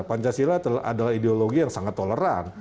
pancasila adalah ideologi yang sangat toleran